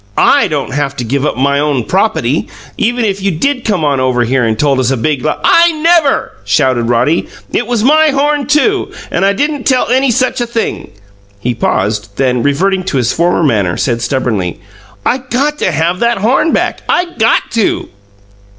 I don't haf to give up my own propaty, even if you did come on over here and told us a big l " "I NEVER!" shouted Roddy. "It was my horn, too, and I didn't tell any such a thing!" He paused; then, reverting to his former manner, said stubbornly, "I got to have that horn back. I GOT to!"